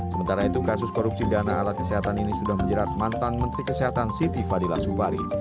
sementara itu kasus korupsi dana alat kesehatan ini sudah menjerat mantan menteri kesehatan siti fadila subari